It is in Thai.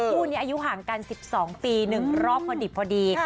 คู่นี้อายุห่างกัน๑๒ปี๑รอบพอดิบพอดี